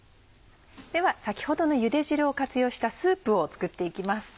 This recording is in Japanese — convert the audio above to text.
では先ほどのゆで汁を活用したスープを作っていきます。